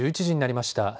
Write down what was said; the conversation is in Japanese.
１１時になりました。